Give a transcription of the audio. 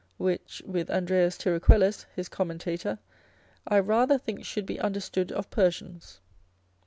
which, with Andreas Tiraquellus his commentator, I rather think should be understood of Persians.